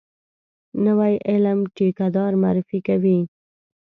نوی علم ټیکه دار معرفي کوي.